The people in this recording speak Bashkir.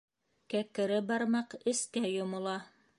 Кәкере бармаҡ эскә йомола.